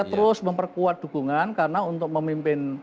terus memperkuat dukungan karena untuk memimpin